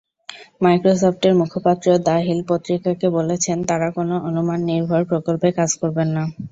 মাইক্রোসফটের মুখপাত্র the Hill পত্রিকাকে বলেছেন, তাঁরা কোনো অনুমাননির্ভর প্রকল্পে কাজ করবেন না।